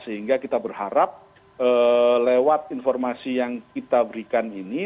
sehingga kita berharap lewat informasi yang kita berikan ini